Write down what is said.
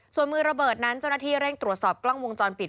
ส่วนมือระเบิดนั้นเจ้าหน้าที่เร่งตรวจสอบกล้องวงจรปิด